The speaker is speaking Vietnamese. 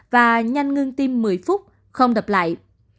và nhanh ngưng tim một mươi phút không đập lại